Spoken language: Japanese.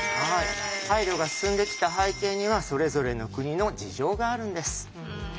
配慮が進んできた背景にはそれぞれの国の事情があるんです。